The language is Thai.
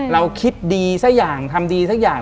เราคิดดีซะอย่างทำดีซะอย่าง